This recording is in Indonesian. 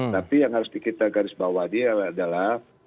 tapi yang harus kita garisbawah dia adalah